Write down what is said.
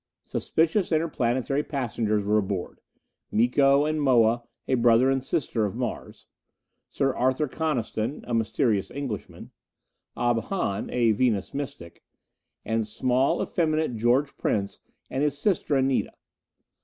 Suspicious interplanetary passengers were aboard: Miko and Moa, a brother and a sister of Mars; Sir Arthur Coniston, a mysterious Englishman; Ob Hahn, a Venus mystic. And small, effeminate George Prince and his sister, Anita.